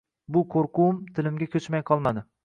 Bu qo`rquvim tilimga ko`chmay qolmadi